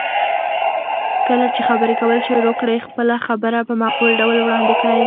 کله چې خبرې کول شروع کړئ، خپله خبره په معقول ډول وړاندې کړئ.